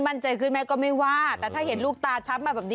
มั่นใจขึ้นแม่ก็ไม่ว่าแต่ถ้าเห็นลูกตาช้ำมาแบบนี้